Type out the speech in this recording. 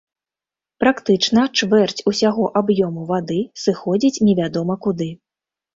Практычна чвэрць усяго аб'ёму вады сыходзіць невядома куды.